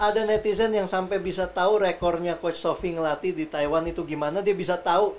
ada netizen yang sampe bisa tau rekornya coach sofie ngelatih di taiwan itu gimana dia bisa tau